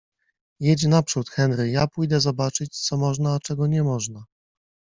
- Jedź naprzód Henry, ja pójdę zobaczyć, co można, a czego nie można.